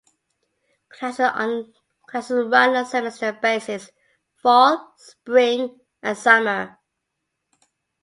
Classes run on a semester basis: Fall, Spring, and Summer.